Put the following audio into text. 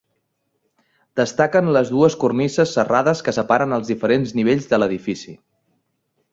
Destaquen les dues cornises serrades que separen els diferents nivells de l'edifici.